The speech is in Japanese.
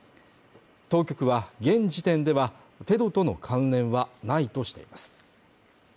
当局は現時点ではテロとの関連はないとしています